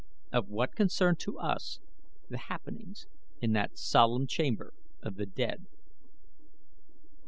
Of what concern to us the happenings in that solemn chamber of the dead?